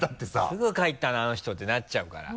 「すぐ帰ったなあの人」ってなっちゃうから。